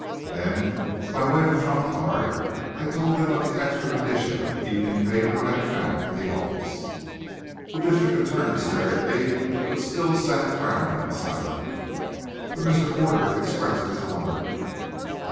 Then, by way of a trump card, I told them of the "extra" edition of the evening paper I had found in the office. The district attorney stared at me, but still sat frowning and silent. But Mr. Porter expressed his wonderment.